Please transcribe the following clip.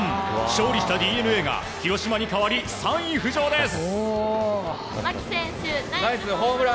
勝利したＤｅＮＡが広島に代わり３位浮上です。